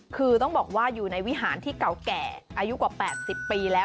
คือต้องบอกว่าอยู่ในวิหารที่เก่าแก่อายุกว่า๘๐ปีแล้ว